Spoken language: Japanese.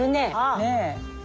ねえ。